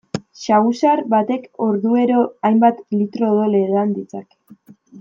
Saguzar batek orduero hainbat litro odol edan ditzake.